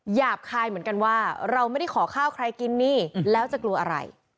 หยาบคายเหมือนกันว่าเราไม่ได้ขอข้าวใครกินนี่แล้วจะกลัวอะไร